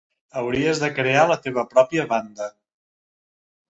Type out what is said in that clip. Hauries de crear la teva pròpia banda.